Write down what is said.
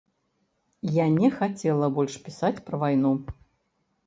Я не хацела больш пісаць пра вайну.